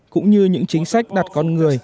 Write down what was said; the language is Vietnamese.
cũng như những chính sách đặt con người